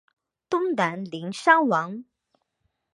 东南邻山王。